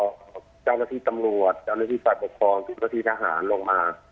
เจ้าหน้าที่ตำรวจเจ้าหน้าที่ฝ่ายปกครองเจ้าหน้าที่ทหารลงมา